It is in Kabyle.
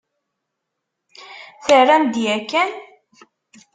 Terram-d yakan?